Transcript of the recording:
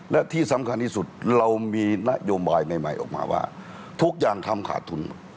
และที่สำคัญที่สุดเรามีนโยบายใหม่ออกมาว่าทุกอย่างทำขาดทุน